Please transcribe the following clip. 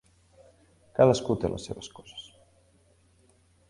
Cadascú té les seves coses.